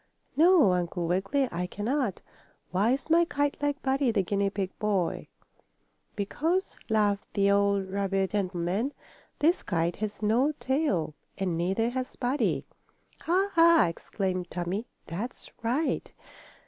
"No, Uncle Wiggily, I can not. Why is my kite like Buddy, the guinea pig boy?" "Because," laughed the old rabbit gentleman, "this kite has no tail and neither has Buddy." "Ha, ha!" exclaimed Tommie. "That's right!"